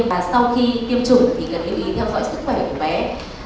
mà sau khi tiêm chủng thì cần lưu ý theo dõi sức khỏe của bé